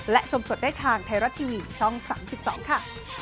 และชมสดได้ทางไทยรัฐทีวีช่อง๓๒ค่ะ